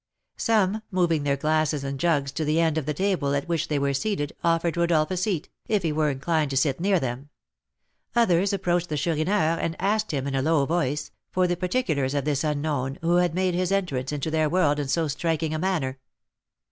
Some, moving their glasses and jugs to the end of the table at which they were seated, offered Rodolph a seat, if he were inclined to sit near them; others approached the Chourineur, and asked him, in a low voice, for the particulars of this unknown, who had made his entrance into their world in so striking a manner.